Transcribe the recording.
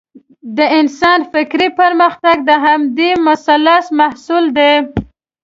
د انسان فکري پرمختګ د همدې مثلث محصول دی.